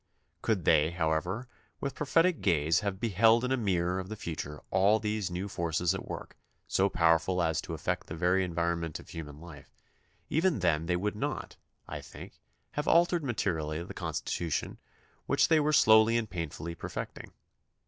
Could they, however, with prophetic gaze have beheld in a mirror of the future all these new forces at work, so powerful as to affect the very environment of human life, even then they would not, I think, have altered materially the Constitution which they were slowly and painfully per fecting.